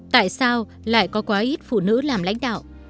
tại sao lại có quá ít phụ nữ làm lãnh đạo